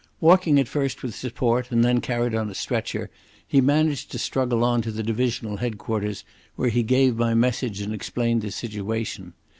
Walking at first with support and then carried on a stretcher, he managed to struggle on to the divisional headquarters, where he gave my message and explained the situation.